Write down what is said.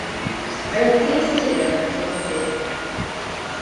Mae wedi'i hyswirio rhag llifogydd.